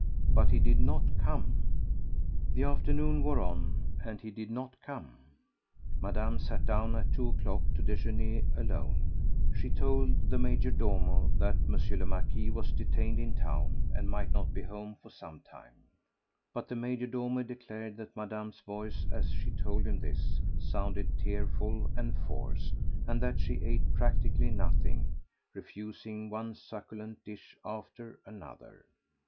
But he did not come. The afternoon wore on and he did not come. Madame sat down at two o'clock to déjeuner alone. She told the major domo that M. le Marquis was detained in town and might not be home for some time. But the major domo declared that Madame's voice, as she told him this, sounded tearful and forced, and that she ate practically nothing, refusing one succulent dish after another.